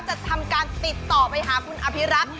จะทำการติดต่อไปหาคุณอภิรักษ์